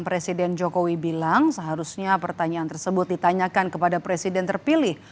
presiden jokowi bilang seharusnya pertanyaan tersebut ditanyakan kepada presiden terpilih